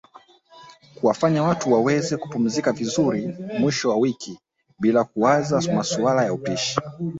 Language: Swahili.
kuwafanya watu waweze kupumzika vizuri mwisho wa wiki bilaa kuwaza masuala ya upishi